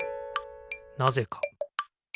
なぜか。